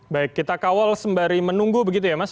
baik kita kawal sembari menunggu begitu ya mas